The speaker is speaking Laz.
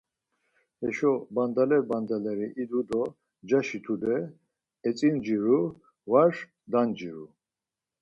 Heşo bandaleri bandaleri idu do ncaşi tude etzinciru var, danciru.